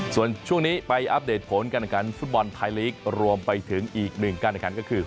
ส่วนช่วงนี้ไปอัปเดตผลการขันฟุตบอลไทยลีกรวมไปถึงอีกหนึ่งการแข่งขันก็คือ